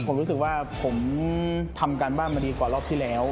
ผมรู้สึกว่าผมทำการบ้านมาดีกว่ารอบที่แล้ว